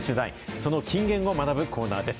その金言を学ぶコーナーです。